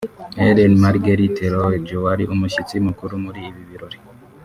Ellen Margret Loej wari umushyitsi mukuru muri ibi birori